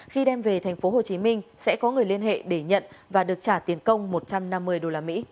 khi đem về thành phố hồ chí minh sẽ có người liên hệ để nhận và được trả tiền công một trăm năm mươi usd